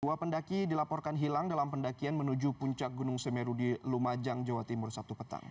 dua pendaki dilaporkan hilang dalam pendakian menuju puncak gunung semeru di lumajang jawa timur sabtu petang